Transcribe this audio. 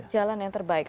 jalan yang terbaik